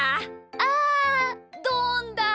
あどんだ！